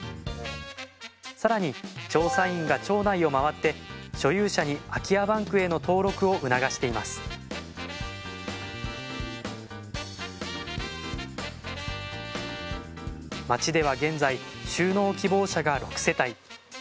更に調査員が町内を回って所有者に空き家バンクへの登録を促しています町では現在就農希望者が６世帯。